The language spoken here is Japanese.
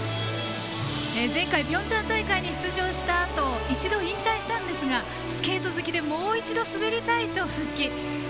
前回ピョンチャン大会に出場したあと一度引退したんですがスケート好きでもう一度滑りたいと復帰。